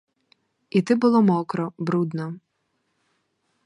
Іти було мокро, брудно.